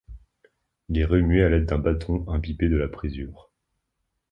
Il est remué à l'aide d'un bâton imbibé de la présure.